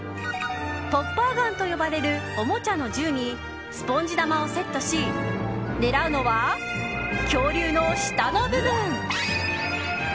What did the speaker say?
ポッパーガンと呼ばれるおもちゃの銃にスポンジ球をセットし狙うのは、恐竜の舌の部分。